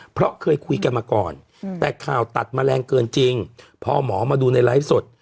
เพราะเคยคุยกันมาก่อนแต่ข่าวตัดแมลงเกินจริงพอหมอมาดูในไลฟ์สด